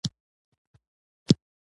تنور د مور لاس جوړ شوی ښکلی نان وړاندې کوي